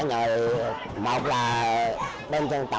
giúp đỡ cho